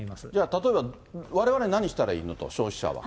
例えばわれわれ何したらいいのと、消費者は。